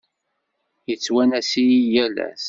Yettwanas-iyi yal ass.